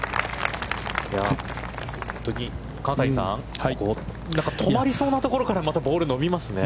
金谷さん、なんか止まりそうなところからまたボールが伸びますね。